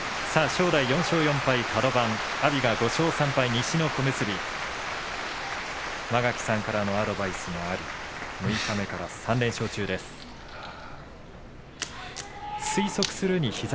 正代４勝４敗、カド番阿炎が５勝３敗、西の小結間垣さんからのアドバイスがあって六日目から３連勝中です。